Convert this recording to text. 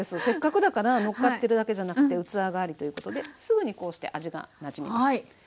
せっかくだからのっかってるだけじゃなくて器代わりということですぐにこうして味がなじみます。